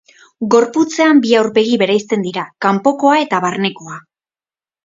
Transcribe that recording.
Gorputzean bi aurpegi bereizten dira: kanpokoa eta barnekoa.